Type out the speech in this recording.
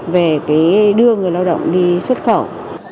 về cái đưa người lao động đi xuất khẩu